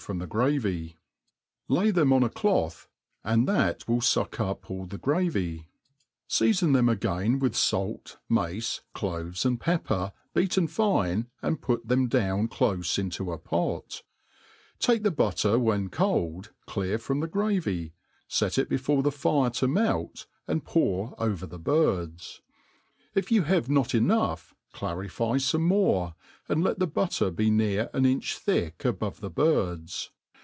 &OA the gi^tvy # lay them on a «lotb> kADE PLAIN AND EASY. 259 'cjo^h, aiid that will fuck up all the gravy ; feafon' them again ^ith fait, mace, cloves, and pepper, beaten fine, and put jthem down ctofe into a poC Taice the butter, when cold^ clear from the gravjr, fet it before the fire to melt, and pour over the birds ; if yoa have not enough,, clarify fome more, and let the butter be near an inch thick at>ove the birds.